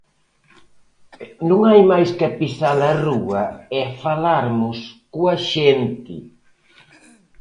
Non hai mais que pisar a rúa e falarmos coa xente.